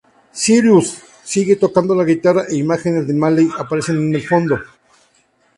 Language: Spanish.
Cyrus sigue tocando la guitarra e imágenes de Miley aparecen en el fondo.